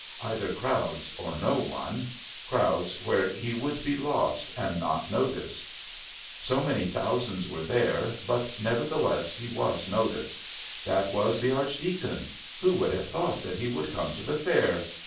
Either crowds or no one. Crowds where he would be lost and not noticed. So many thousands were there, but nevertheless he was noticed. That was the Archdeacon. Who would have thought that he would come to the Fair?